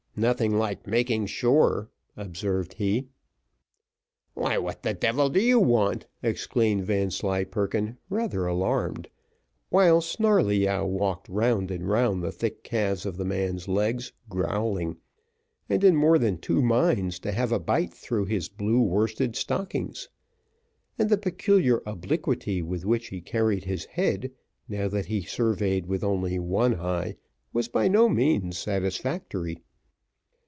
"Nothing like making sure," observed he. "Why, what the devil do you want?" exclaimed Vanslyperken, rather alarmed; while Snarleyyow walked round and round the thick calves of the man's legs, growling, and in more than two minds to have a bite through his blue worsted stockings; and the peculiar obliquity with which he carried his head, now that he surveyed with only one eye, was by no means satisfactory.